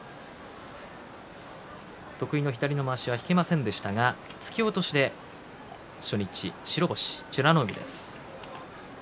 得意の左のまわしは引けませんでしたが突き落としで初日、白星美ノ海です。